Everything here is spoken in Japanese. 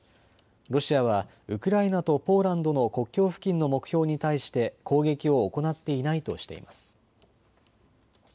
ロシアはウクライナとポーランドの国境付近の目標に対して攻撃を行っていないとしています。